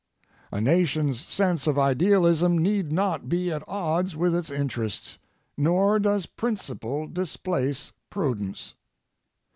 A nation's sense of idealism need not be at odds with its interests, nor does principle displace prudence.